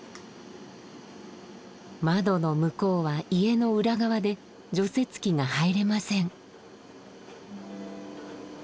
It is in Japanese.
窓の向こうは家の裏側で除雪機が入れません。